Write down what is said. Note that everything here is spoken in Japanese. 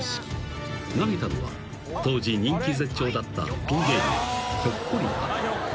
［投げたのは当時人気絶頂だったピン芸人］